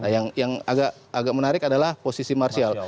yang agak menarik adalah posisi marsial